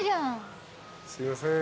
すいません。